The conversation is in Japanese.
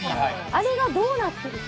あれがどうなってるか。